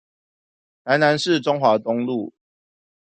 台南市中華東路